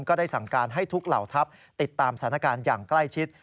ก็ได้สั่งการให้ทุกเหล่าทัพติดตามสถานการณ์อย่างใกล้ชิด